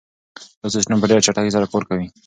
دا سیسټم په ډېره چټکۍ سره کار کوي.